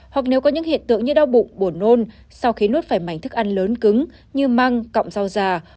hoặc nếu có những hiện tượng như đau bụng buồn nôn sau khi nuốt phải mảnh thức ăn lớn cứng như măng cọng rau già